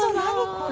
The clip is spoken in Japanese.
これ。